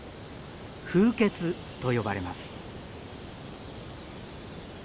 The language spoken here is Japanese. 風穴と呼ばれます。